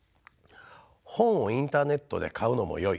本をインターネットで買うのもよい。